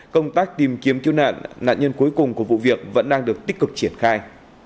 công tác tìm kiếm cứu nạn nạn nhân cuối cùng của vụ việc vẫn đang được tích cực triển khai